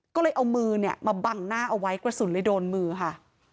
ก็เลยเอามือเนี่ยมาบังหน้าเอาไว้กระสุนเลยโดนมือค่ะ